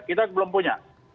kita belum punya